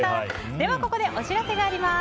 ではここでお知らせがあります。